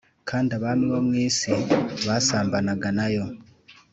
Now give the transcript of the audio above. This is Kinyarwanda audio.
kandi abami bo mu isi basambanaga na wo,